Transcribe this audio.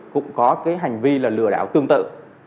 cũng có hành vi lừa đảo tương tự